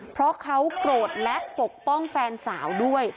เพราะเขาโกรธและปกป้องแฟนสาวด้วย